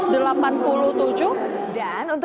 dan untuk menjelaskan